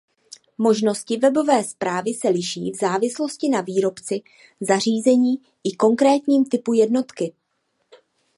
Možnosti webové správy se liší v závislosti na výrobci zařízení i konkrétním typu jednotky.